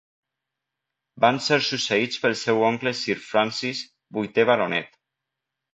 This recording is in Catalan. Van ser succeïts pel seu oncle Sir Francis, vuitè baronet.